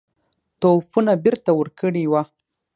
توپونه بیرته ورکړي وه.